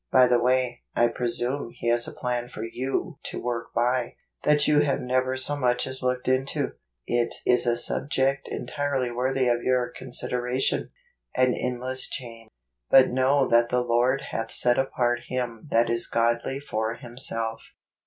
By the way, I presume He has a plan for you to work by, that you have never so much as looked into. It is a sub¬ ject entirely worthy of your consideration. An Endless Chain. 41 But know that the Lord hath set apart him that is godly for himself."